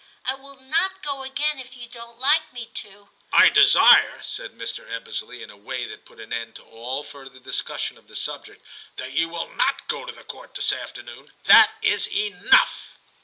I will not go again if you don't like me to '* I desire,' said Mr. Ebbesley, in a way that put an end to all further discussion of the subject, *that you will not go to the Court this afternoon. That is enough.'